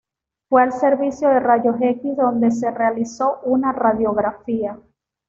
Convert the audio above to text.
Fue al servicio de rayos X donde se realizó una radiografía.